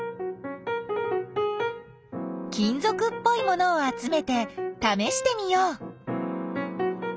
金ぞくっぽいものをあつめてためしてみよう。